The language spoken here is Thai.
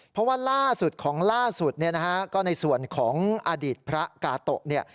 เพราะว่าของล่าสุดในส่วนของอดีตพระกาโตะ